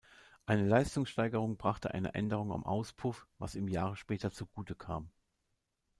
Eine Leistungssteigerung brachte eine Änderung am Auspuff, was ihm Jahre später zugutekam.